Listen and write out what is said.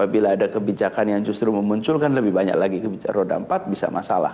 bila ada kebijakan yang justru memunculkan lebih banyak lagi roda empat bisa masalah